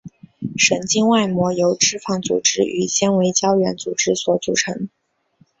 神经外膜由脂肪组织与纤维胶原组织所组成。